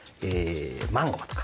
マンゴーとか。